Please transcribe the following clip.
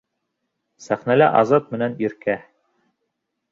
Сәхнәлә Азат менән Иркә.